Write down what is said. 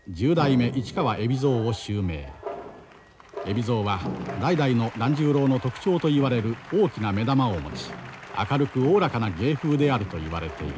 海老蔵は代々の團十郎の特徴といわれる大きな目玉を持ち明るくおおらかな芸風であるといわれている。